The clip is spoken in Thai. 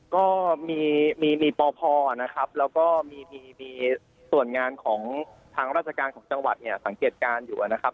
ก็มีปพนะครับแล้วก็มีส่วนงานของทางราชการของจังหวัดเนี่ยสังเกตการณ์อยู่นะครับ